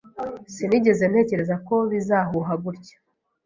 Sinigeze ntekereza ko bizahuha gutya.